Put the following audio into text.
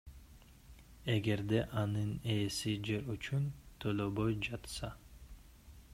эгерде анын ээси жер үчүн төлөбөй жатса.